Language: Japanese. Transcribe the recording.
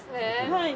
はい。